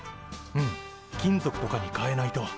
うん金属とかにかえないと。